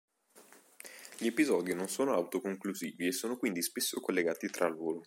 Gli episodi non sono autoconclusivi e sono quindi spesso collegati tra loro.